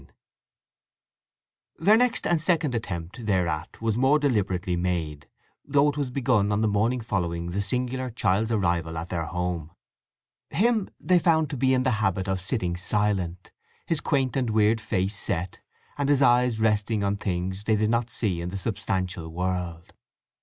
IV Their next and second attempt thereat was more deliberately made, though it was begun on the morning following the singular child's arrival at their home. Him they found to be in the habit of sitting silent, his quaint and weird face set, and his eyes resting on things they did not see in the substantial world.